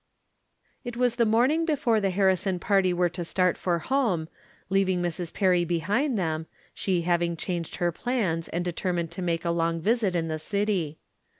It was the morning before the Harrison party were to start for home, leaving Mrs. Perry be hind them, she having changed her plans and de termined to make a long visit in the city.